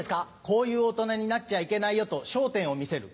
こういう大人になっちゃいけないよと『笑点』を見せる。